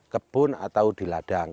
kebun atau di ladang